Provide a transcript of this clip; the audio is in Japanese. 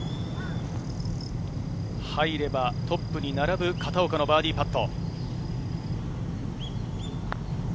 入ればトップに並ぶ、片岡のバーディーパット。